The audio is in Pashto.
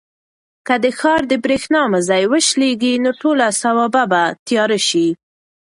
که د ښار د برېښنا مزي وشلېږي نو ټوله سوبه به تیاره شي.